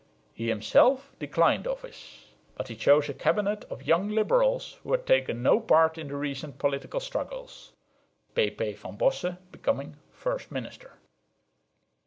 He himself declined office, but he chose a cabinet of young liberals who had taken no part in the recent political struggles, P.P. van Bosse becoming first minister.